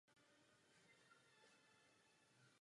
Nechala vybudovat presbytář a věnovala důchod pro školu.